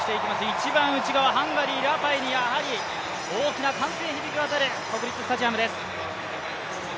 一番内側、ハンガリー・ラパイ大きな歓声響き渡る国立スタジアムです。